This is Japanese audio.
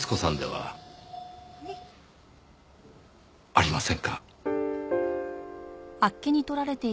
はい？ありませんか？